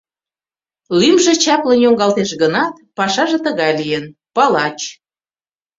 Лӱмжӧ чаплын йоҥгалтеш гынат, пашаже тыгай лийын: палач.